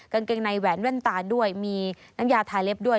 กางเกงในแหวนแว่นตาด้วยมีน้ำยาทาเล็บด้วย